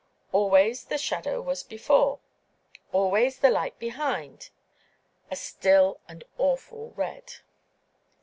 Always the shadow was before—always the light behind, "a still and awful red."